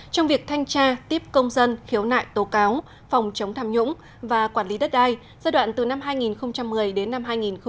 trong việc thanh tra tiếp công dân khiếu nại tố cáo phòng chống tham nhũng và quản lý đất đai giai đoạn từ năm hai nghìn một mươi đến năm hai nghìn một mươi năm